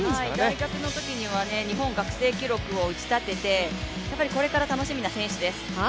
大学のときには日本学生記録を打ち立てて、これから楽しみな選手です。